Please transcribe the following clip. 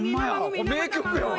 これ名曲やわ！